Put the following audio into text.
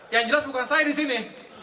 yang jelas bukan saya disini